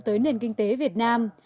tới nền kinh tế việt nam